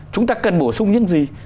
chúng ta cần bổ sung những gì